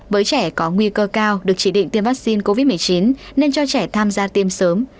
với trẻ có nguy cơ cao được chỉ định tiêm vaccine covid một mươi chín nên cho trẻ tham gia tiêm sớm